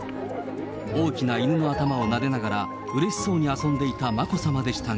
大きな犬の頭をなでながら、うれしそうに遊んでいた眞子さまでしたが。